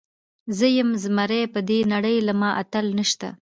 زۀ يم زمری پر دې نړۍ له ما اتل نيشته